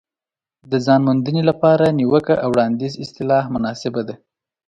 د ځان موندنې لپاره نیوکه او وړاندیز اصطلاح مناسبه ده.